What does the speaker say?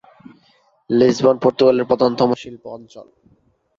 Lisbon পর্তুগালের প্রধানতম শিল্প অঞ্চল।